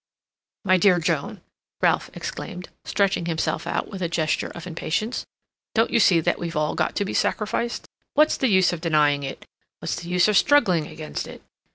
"My dear Joan," Ralph exclaimed, stretching himself out with a gesture of impatience, "don't you see that we've all got to be sacrificed? What's the use of denying it? What's the use of struggling against it?